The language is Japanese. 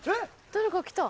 誰か来た。